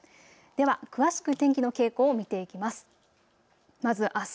詳しく天気の傾向を見ていきます。